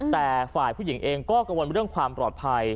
แต่ฝ่ายผู้หญิงเองก็กังวลเรื่องความปลอดภัย